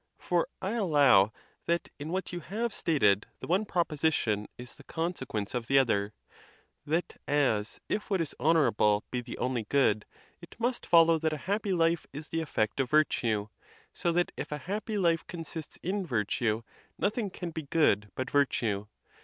For I allow that in what you have stated the one proposition is the consequence of the other; that as, if what is honorable be the only good, it must follow that a happy life is the effect of virtue: so that if a hap py life consists in virtue, nothing can be good but virtue.